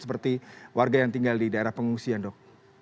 seperti warga yang tinggal di daerah pengungsian dok